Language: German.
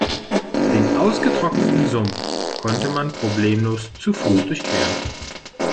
Den ausgetrockneten Sumpf konnte man problemlos zu Fuß durchqueren.